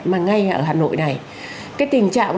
mà ngay ở hà nội này cái tình trạng